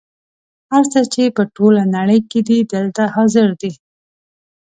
هر څه چې په ټوله نړۍ کې دي دلته حاضر دي.